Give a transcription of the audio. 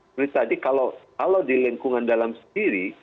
menurut saya kalau di lingkungan dalam sendiri